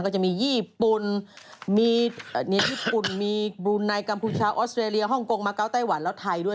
ก็จะมีญี่ปุ่นมีนายกัมพูชาออสเตรเลียฮ่องกงมะเก้าไต้หวันแล้วไทยด้วย